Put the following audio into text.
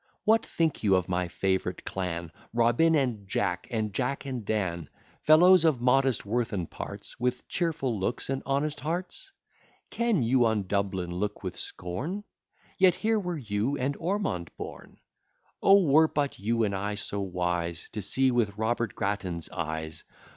What think you of my favourite clan, Robin and Jack, and Jack and Dan; Fellows of modest worth and parts, With cheerful looks and honest hearts? Can you on Dublin look with scorn? Yet here were you and Ormond born. O! were but you and I so wise, To see with Robert Grattan's eyes!